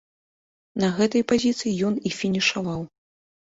На гэтай пазіцыі ён і фінішаваў.